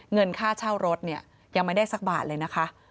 เงินค่าเช่ารถเนี่ยยังไม่ได้สักบาทเลยนะคะ